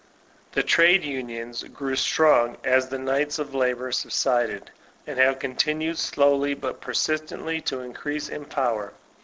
The Trade Unions grew strong about as the K. of L. subsided, and have continued slowly but persistently to increase in power.